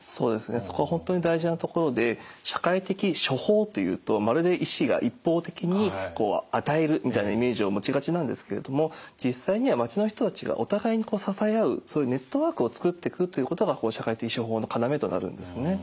そこは本当に大事なところで社会的処方というとまるで医師が一方的に与えるみたいなイメージを持ちがちなんですけれども実際には町の人たちがお互いに支え合うそういうネットワークを作っていくということが社会的処方のかなめとなるんですね。